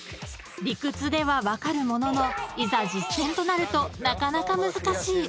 ［理屈では分かるもののいざ実践となるとなかなか難しい］